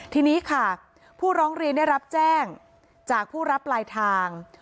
ทีนี้ค่ะผู้ร้องเรียนได้รับแจ้งจากผู้รับปลายทาง